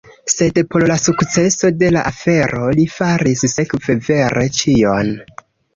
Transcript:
Sed por la sukceso de la afero li faris sekve vere ĉion.